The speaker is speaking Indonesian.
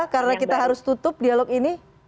karena kita harus tutup dialog ini